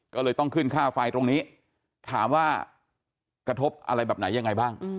ก็เลยต้องขึ้นค่าไฟตรงนี้ถามว่ากระทบอะไรแบบไหนยังไงบ้าง